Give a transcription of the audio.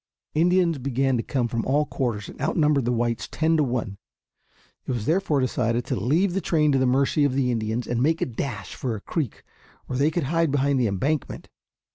Indians began to come from all quarters and outnumbered the whites ten to one. It was therefore decided to leave the train to the mercy of the Indians and make a dash for a creek where they could hide behind the embankment.